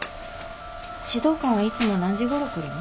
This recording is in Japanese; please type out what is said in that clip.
指導官はいつも何時ごろ来るの？